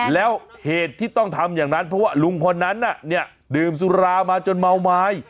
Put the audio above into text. แล้วเหตุที่ต้องทำอย่างนั้นเพราะว่าลุงคนนั้นน่ะดื่มสุรามาจนเมาไม้